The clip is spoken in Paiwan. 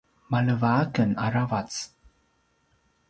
maleva aken aravac